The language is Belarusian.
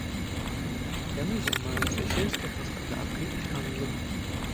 Яны займаюцца сельскай гаспадаркай і гандлем.